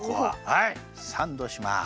はいサンドします。